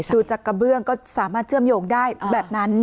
ดูจากกระเบื้องก็สามารถเชื่อมโยงได้แบบนั้น